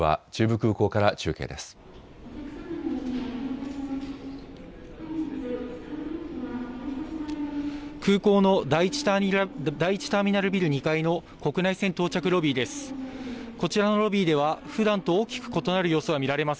空港の第１ターミナルビル２階の国内線到着ロビーです。